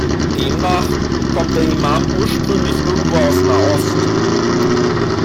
Demnach kommt der Imam ursprünglich irgendwo aus Nahost.